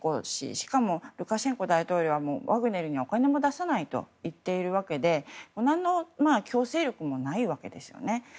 しかもルカシェンコ大統領はワグネルにお金も出さないと言っているわけで何の強制力もないわけですね。